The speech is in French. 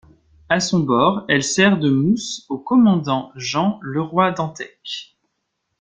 À son bord, elle sert de mousse au commandant Jean Leroy-Dantec.